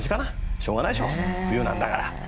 しょうがないでしょう冬なんだから。